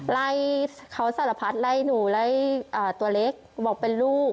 ไล่เขาสารพัดไล่หนูไล่ตัวเล็กบอกเป็นลูก